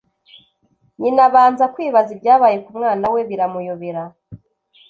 Nyina abanza kwibaza ibyabaye ku mwana we biramuyobera